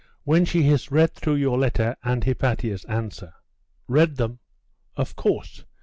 'When she has read through your letter and Hypatia's answer.' 'Read them?' 'Of course.